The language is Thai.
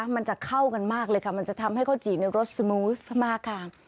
มันจะเข้ากันมากเลยค่ะมันจะทำให้ข้าวจี่ในรสสมูสเข้ามาค่ะ